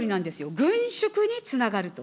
軍縮につながると。